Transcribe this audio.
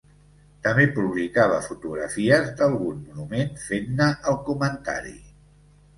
També publicava fotografies d'algun monument fent-ne el comentari.